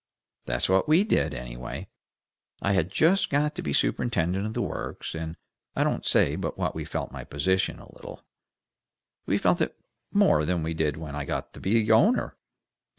That's what we did, anyway. I had just got to be superintendent of the Works, and I don't say but what we felt my position a little. Well, we felt it more than we did when I got to be owner."